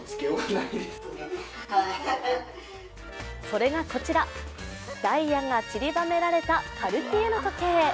それがこちら、ダイヤがちりばめられたカルティエの時計。